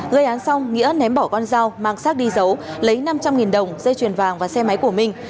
gây án xong nghĩa ném bỏ con dao mang xác đi giấu lấy năm trăm linh đồng dây chuyền vàng và xe máy của minh